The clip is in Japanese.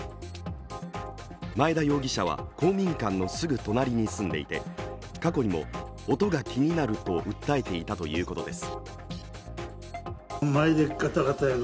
前田容疑者は公民館のすぐ隣に住んでいて過去にも音が気になると訴えていたということです。